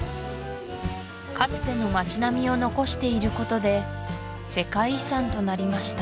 かつての町並みを残していることで世界遺産となりました